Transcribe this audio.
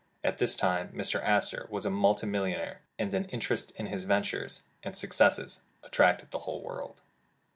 At this time Mr. Astor was a multi millionaire, and an interest in his ventures and successes attracted the whole world.